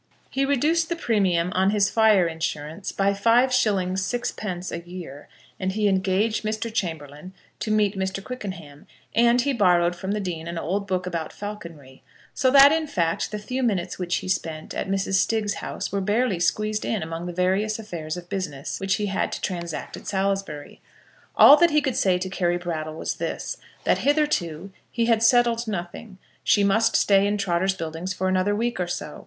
He reduced the premium on his Fire Insurance by 5_s._ 6_d._ a year, and he engaged Mr. Chamberlaine to meet Mr. Quickenham, and he borrowed from the dean an old book about falconry; so that in fact the few minutes which he spent at Mrs. Stiggs's house were barely squeezed in among the various affairs of business which he had to transact at Salisbury. All that he could say to Carry Brattle was this, that hitherto he had settled nothing. She must stay in Trotter's Buildings for another week or so.